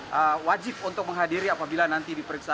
mereka wajib untuk menghadiri apabila nanti diperiksa